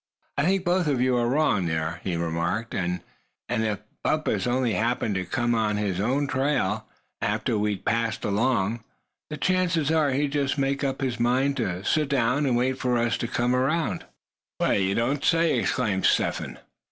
"I think both of you are wrong there," he remarked, "and if Bumpus did only happen to come on his own trail, after we'd passed along, the chances are he'd just make up his mind to sit down, and wait for us to come around again." "You don't say?" exclaimed Step Hen.